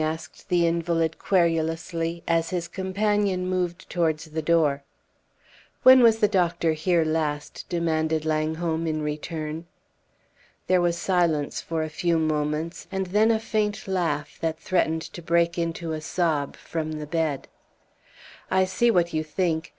asked the invalid, querulously, as his companion moved towards the door. "When was the doctor here last?" demanded Langholm in return. There was silence for a few moments, and then a faint laugh, that threatened to break into a sob, from the bed. "I see what you think.